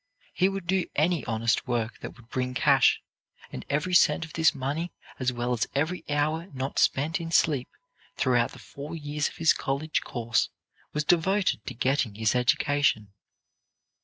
He would do any honest work that would bring cash, and every cent of this money as well as every hour not spent in sleep throughout the four years of his college course was devoted to getting his education.